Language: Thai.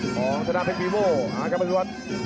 ของธนาภิกษ์วิโวมากับธรรมาท